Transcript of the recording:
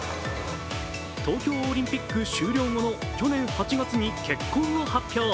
東京オリンピック終了後の去年８月に結婚を発表。